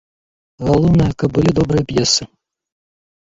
Галоўнае, каб былі добрыя п'есы.